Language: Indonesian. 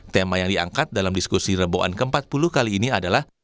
tema yang diangkat dalam diskusi reboan ke empat puluh kali ini adalah